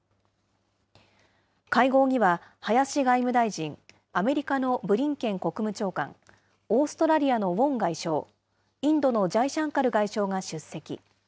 会合には林外務大臣、アメリカのブリンケン国務長官、オーストラリアのウォン外相、インドのジャイシャンカル外相が出席。